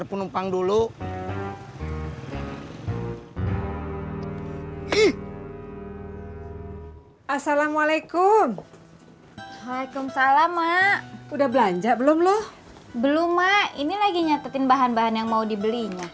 belum mak ini lagi nyatetin bahan bahan yang mau dibelinya